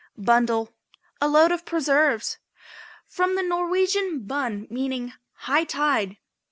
BUNDLE. A load of preserves. From the Norwegian bun, meaning high tide.